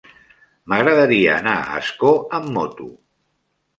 M'agradaria anar a Ascó amb moto.